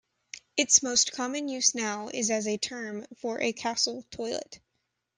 Its most common use now is as a term for a castle toilet.